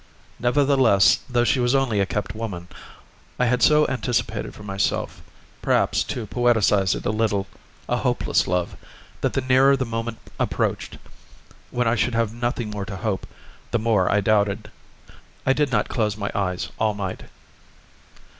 Nevertheless, though she was only a kept woman, I had so anticipated for myself, perhaps to poetize it a little, a hopeless love, that the nearer the moment approached when I should have nothing more to hope, the more I doubted. I did not close my eyes all night.